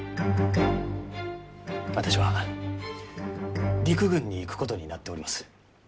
私は陸軍に行くことになっております。